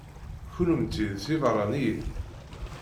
Kennemti d tibeṛṛaniyin?